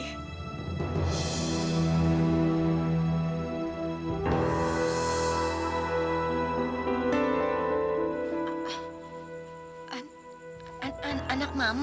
paling baik waktu dua calon menikmati